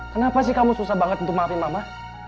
kenapa sih kamu susah banget untuk maafin mama